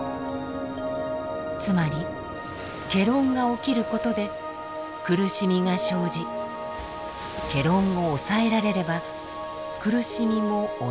つまり戯論が起きることで苦しみが生じ戯論を抑えられれば苦しみもおのずと消える。